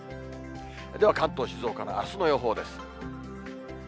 では関東、静岡のあすの予報です。